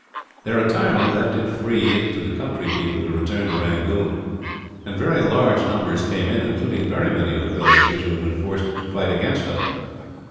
Their retirement left it free to the country people to return to Rangoon, and very large numbers came in, including very many of the villagers who had been forced to fight against us.